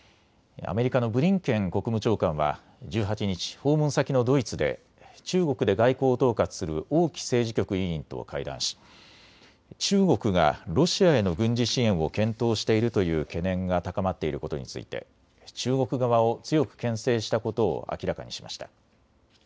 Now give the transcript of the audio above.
アメリカのブリンケン国務長官は１８日、訪問先のドイツで中国で外交を統括する王毅政治局委員と会談し中国がロシアへの軍事支援を検討しているという懸念が高まっていることについて中国側を強くけん制したことを明らかにしました。